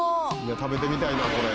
「食べてみたいなこれ」